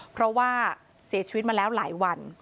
เพราะว่าเสียชีวิตมาแล้วหลายวัน